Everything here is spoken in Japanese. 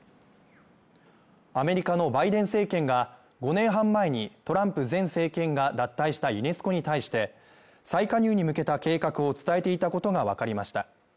アメリカのバイデン政権が５年半前にトランプ前政権が脱退したユネスコに対して再加入に向けた計画を伝えていたことがわかりました。